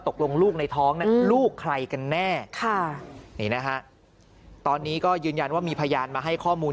ตกลงลูกในท้องนั้นลูกใครกันแน่ค่ะนี่นะฮะตอนนี้ก็ยืนยันว่ามีพยานมาให้ข้อมูล